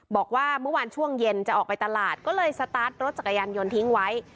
บอกว่าเมื่อวานช่วงเย็นจะออกไปตลาดก็เลยสตาร์ทรถจักรยานยนต์ทิ้งไว้